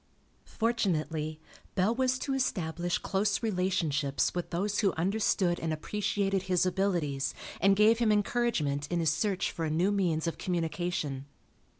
Fortunately, Bell was to establish close relationships with those who understood and appreciated his abilities and gave him encouragement in his search for a new means of communication.